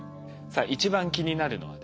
さあ一番気になるのはですね